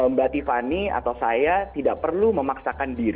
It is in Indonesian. mbak tiffani atau saya tidak perlu memaksakan